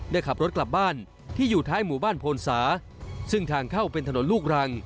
ได้ขับรถกลับบ้านที่อยู่ท้ายหมู่บ้านโพนสาซึ่งทางเข้าเป็นถนนลูกรัง